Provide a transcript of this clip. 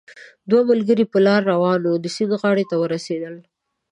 دوه ملګري په لاره روان وو، د سیند غاړې ته ورسېدل